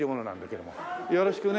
よろしくね。